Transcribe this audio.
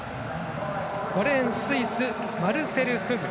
５レーン、スイスマルセル・フグ。